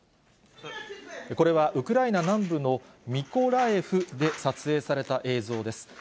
これはウクライナ南部のミコラエフで撮影された映像です。